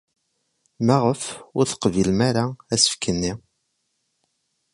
Maɣef ur teqbilem ara asefk-nni?